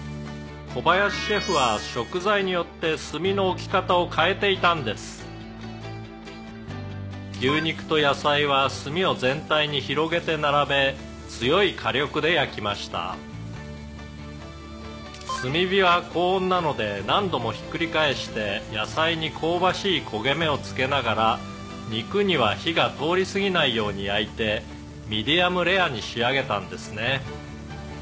「小林シェフは「牛肉と野菜は炭を全体に広げて並べ強い火力で焼きました」「炭火は高温なので何度もひっくり返して野菜に香ばしい焦げ目をつけながら肉には火が通りすぎないように焼いてミディアムレアに仕上げたんですね」